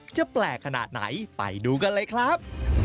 แปลกขนาดไหนไปดูกันเลยครับ